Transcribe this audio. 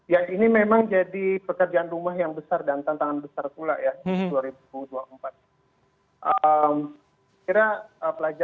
ya ini memang jadi pekerjaan rumah yang besar dan tantangan besar pula ya di dua ribu dua puluh empat